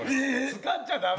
使っちゃダメ！